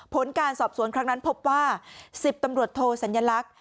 ผลการสอบสวนครั้งนั้นพบว่า๑๐ตำรวจโทสัญลักษณ์